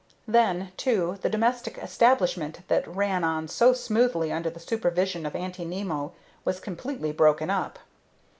Then, too, the domestic establishment that ran on so smoothly under the supervision of Aunty Nimmo was completely broken up.